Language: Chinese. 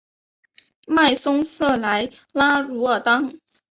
迈松瑟莱拉茹尔当。